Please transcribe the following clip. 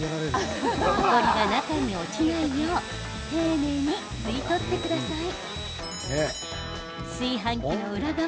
ほこりが中に落ちないように丁寧に吸い取ってください。